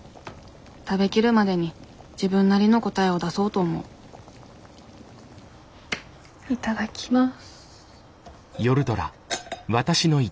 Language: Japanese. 食べきるまでに自分なりの答えを出そうと思ういただきます。